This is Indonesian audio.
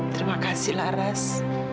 terima kasih laras